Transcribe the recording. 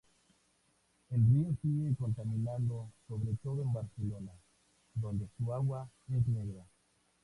El río sigue contaminado, sobre todo en Barcelona, donde su agua es negra.